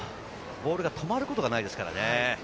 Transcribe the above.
ボールが止まることがないですからね。